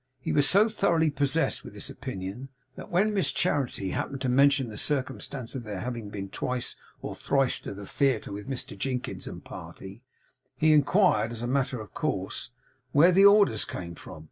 He was so thoroughly possessed with this opinion, that when Miss Charity happened to mention the circumstance of their having been twice or thrice to the theatre with Mr Jinkins and party, he inquired, as a matter of course, 'where the orders came from?